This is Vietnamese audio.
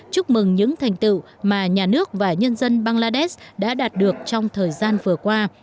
chúc mừng những thành tựu mà nhà nước và nhân dân bangladesh đã đạt được trong thời gian vừa qua